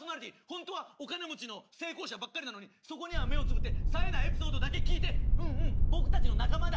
ほんとはお金持ちの成功者ばっかりなのにそこには目をつむってさえないエピソードだけ聴いて「うんうん僕たちの仲間だ」。